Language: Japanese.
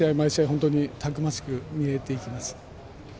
本当にたくましく見えています。